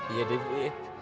iya deh bu ya